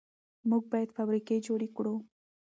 موږ باید فابریکې جوړې کړو.